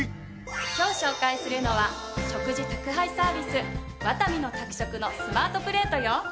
今日紹介するのは食事宅配サービスワタミの宅食のＳＭＡＲＴＰＬＡＴＥよ。